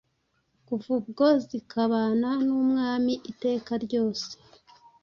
kuva ubwo zikabana n’umwami iteka ryose.